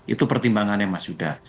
itu pertimbangannya mas yudha